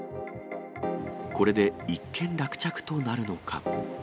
これで一件落着となるのか。